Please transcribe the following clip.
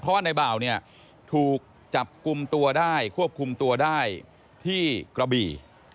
เพราะว่าในบ่าวเนี่ยถูกจับกลุ่มตัวได้ควบคุมตัวได้ที่กระบี่